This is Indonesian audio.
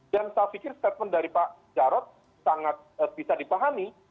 dan saya pikir statement dari pak jarod sangat bisa dipahami